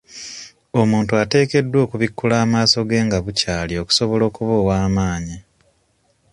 Omuntu ateekeddwa okubikkula amaaso ge nga bukyali okusobola okuba ow'amaanyi.